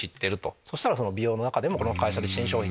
そしたら美容の中でもこの会社で新商品出た。